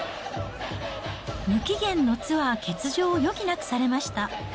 無期限のツアー欠場を余儀なくされました。